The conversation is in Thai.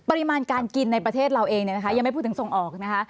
ปริมาณการกินในประเทศเราเองเนี่ยนะคะยังไม่พูดถึงส่งออกนะคะ